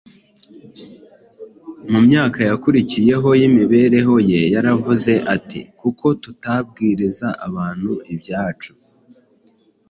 Mu myaka yakurikiyeho y’imibereho ye yaravuze ati: “Kuko tutabwiriza abantu ibyacu,